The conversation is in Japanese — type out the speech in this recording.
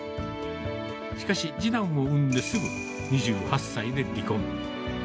しかし、次男を産んですぐ、２８歳で離婚。